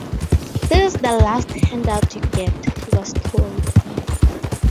"This is the last hand-out you get," he was told.